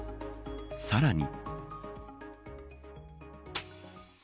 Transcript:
さらに。